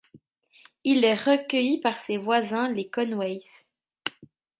Il est recueilli par ses voisins, les Conways.